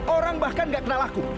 orang bahkan tidak kenal aku